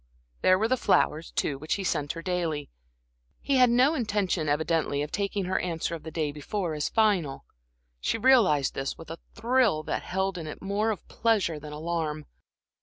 There were the flowers, too, which he sent her daily. He had no intention, evidently, of taking her answer of the day before as final. She realized this, with a thrill that held in it more of pleasure than alarm.